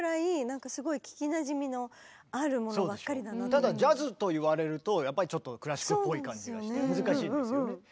ただジャズと言われるとやっぱりちょっとクラシックっぽい感じがして難しいんですよね。